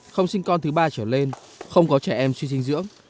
không sinh con thứ ba trở lên không có trẻ em suy dinh dưỡng